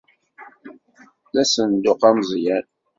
D asenduq ameẓyan.